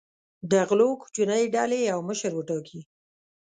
د غلو کوچنۍ ډلې یو مشر وټاکي.